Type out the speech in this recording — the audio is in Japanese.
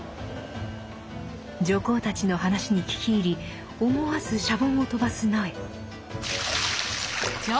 女工たちの話に聞き入り思わずシャボンをとばす野枝。